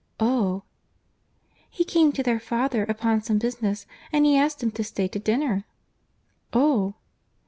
"Oh!" "He came to their father upon some business, and he asked him to stay to dinner." "Oh!"